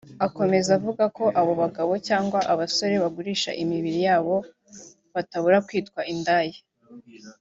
Akomeza avuga ko abo bagabo cyangwa abasore bagurisha imibiri yabo batabura kwitwa indaya